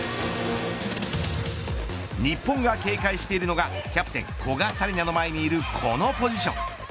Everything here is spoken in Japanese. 日本が警戒しているのがキャプテン古賀紗理那の前にいるこのポジション。